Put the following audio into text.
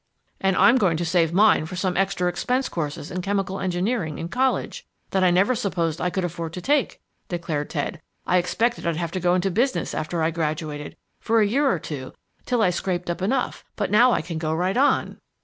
"And I'm going to save mine for some extra expensive courses in chemical engineering in college that I never supposed I could afford to take," declared Ted. "I expected I'd have to go into business after I graduated, for a year or two, till I scraped up enough, but now I can go right on."